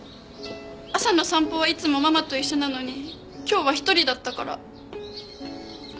朝の散歩はいつもママと一緒なのに今日は１人だったから。